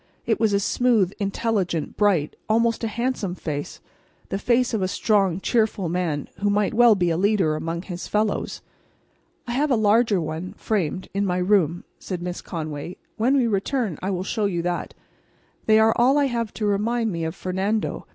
It was a smooth, intelligent, bright, almost a handsome face—the face of a strong, cheerful man who might well be a leader among his fellows. "I have a larger one, framed, in my room," said Miss Conway. "When we return I will show you that. They are all I have to remind me of Fernando.